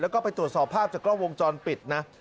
แล้วก็ไปตรวจสอบภาพจากกล้องวงจรปิดนะ